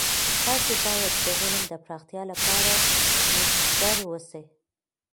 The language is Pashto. تاسې باید د علم د پراختیا لپاره نوښتګر اوسئ.